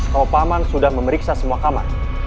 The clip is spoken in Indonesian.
kalau pak man sudah memeriksa semua kamar